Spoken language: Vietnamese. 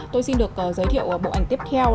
tôi xin được giới thiệu bộ ảnh tiếp theo